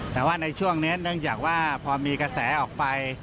แต่ว่าในช่วงนี้เนื่องจากว่าพอมีกระแสออกไป